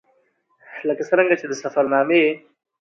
ـ لکه څرنګه چې د سفر نامې